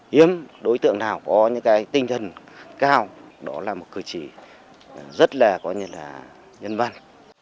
hiếm đối tượng nào có những cái tinh thần cao đó là một cử chỉ rất là có như là nhân văn